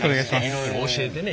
いろいろ教えてね